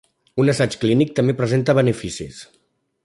Un assaig clínic també presenta beneficis.